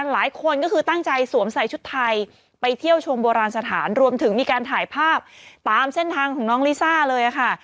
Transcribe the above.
หลายคนก็คือตั้งใจสวมใส่ชุดไทยไปเที่ยวชมโบราณสถานรวมถึงมีการถ่ายภาพตามเส้นทางของน้องลิซ่าเลยค่ะ